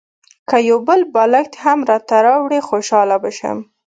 که یو بل بالښت هم راته راوړې خوشاله به شم.